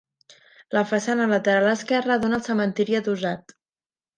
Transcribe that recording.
La façana lateral esquerra dóna al cementiri adossat.